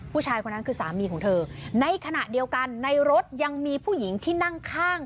ผู้ชายคนนั้นคือสามีของเธอในขณะเดียวกันในรถยังมีผู้หญิงที่นั่งข้าง